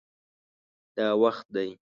دا وخت دی